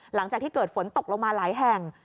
หลังจากที่เกิดฝนตกลงมาหลายแห่ง